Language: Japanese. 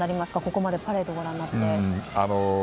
ここまでパレードをご覧になって。